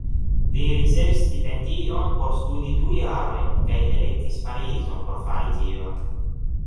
Li ricevis stipendion por studi du jarojn kaj elektis Parizon por fari tion.